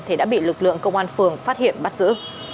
thì đã bị lực lượng công an phường phát hiện bắt giữ